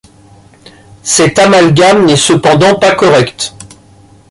Cet amalgame n'est cependant pas correct.